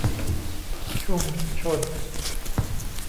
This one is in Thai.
ชุมชน